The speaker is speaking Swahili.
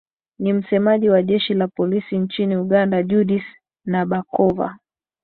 ni msemaji wa jeshi la polisi nchini uganda judith nabakova